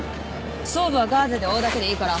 創部はガーゼで覆うだけでいいから。